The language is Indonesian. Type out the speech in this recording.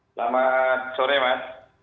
selamat sore mas